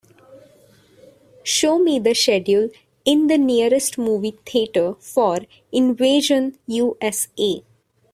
Show me the schedule in the nearest movie theatre for Invasion U.S.A..